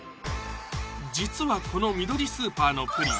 実はこのみどりスーパーのプリン